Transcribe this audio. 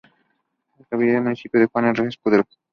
Es cabecera del municipio de Juan R. Escudero.